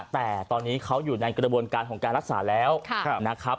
แต่ตอนนี้เขาอยู่ในกระบวนการของการรักษาแล้วนะครับ